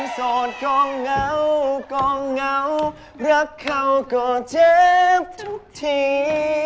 โสดกองเงากองเหงารักเขาก็เจ็บทุกที